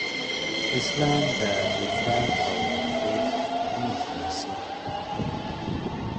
اسلام د افراط او تفریط مخه نیسي.